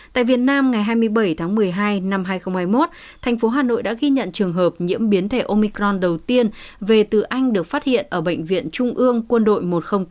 tại việt nam ngày hai mươi bảy tháng một mươi hai năm hai nghìn hai mươi một thành phố hà nội đã ghi nhận trường hợp nhiễm biến thể omicron đầu tiên về từ anh được phát hiện ở bệnh viện trung ương quân đội một trăm linh tám